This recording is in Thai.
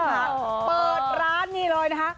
เปิดร้านนี่เลยนะคะ